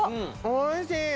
おいしい！